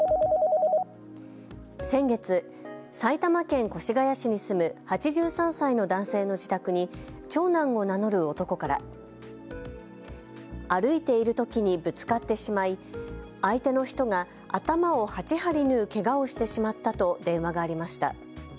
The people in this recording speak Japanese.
先月、埼玉県越谷市に住む８３歳の男性の自宅に長男を名乗る男から歩いているときにぶつかってしまい、相手の人が頭を８針縫うけがをしてしまったと電話がありました。